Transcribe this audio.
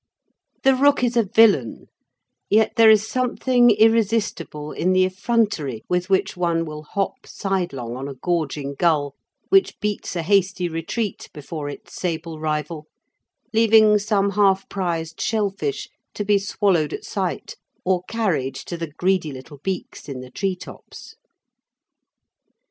The rook is a villain, yet there is something irresistible in the effrontery with which one will hop sidelong on a gorging gull, which beats a hasty retreat before its sable rival, leaving some half prized shellfish to be swallowed at sight or carried to the greedy little beaks in the tree tops.